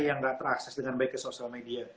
yang gak terakses dengan baik ke sosial media